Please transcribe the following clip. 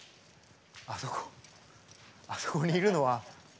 あそこあそこにいるのは。